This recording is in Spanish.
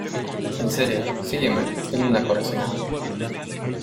En serio, sígueme, tengo una corazonada.